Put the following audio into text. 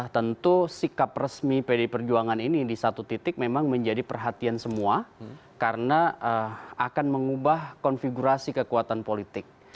tentu sikap resmi pdi perjuangan ini di satu titik memang menjadi perhatian semua karena akan mengubah konfigurasi kekuatan politik